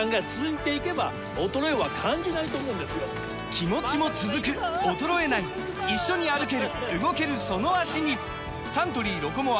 気持ちも続く衰えない一緒に歩ける動けるその脚にサントリー「ロコモア」！